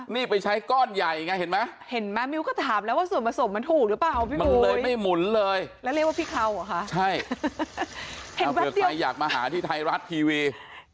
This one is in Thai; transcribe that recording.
ถ้าเกิดใครอยากมาหาที่ไทยรัฐทีวี